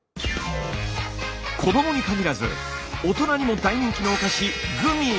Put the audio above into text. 子どもに限らず大人にも大人気のお菓子グミ！